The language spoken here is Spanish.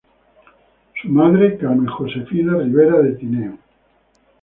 Su madre, Carmen Josefina Rivera de Tineo.